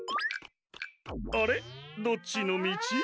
あれどっちのみち？